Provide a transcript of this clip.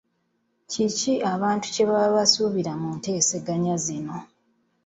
Kiki abantu kye baba basuubira mu nteeseganya zino?